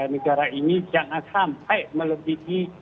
negara ini jangan sampai melebihi